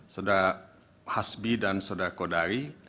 saudara hasbi dan saudara kodari